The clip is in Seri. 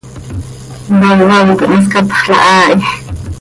Vaváv quih ma scatxla haa hi.